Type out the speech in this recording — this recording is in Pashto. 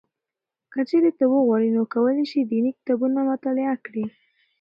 که چېرې ته وغواړې نو کولای شې دیني کتابونه مطالعه کړې.